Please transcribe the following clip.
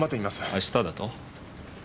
明日だと？